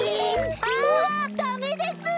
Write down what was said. あダメです！